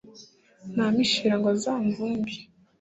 ntampishira ngo azamvumbe